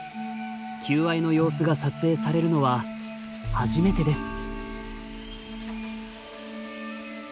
求愛の様子が撮影されるのは初めてです。